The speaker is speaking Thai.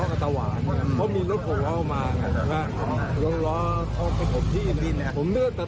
ว่าอะไรนี่ว่าไอ้๖ล้อมันไม่ไป